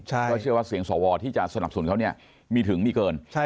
ก็เชื่อว่าเสียงสวที่จะสนับสนุนเขาเนี่ยมีถึงมีเกิน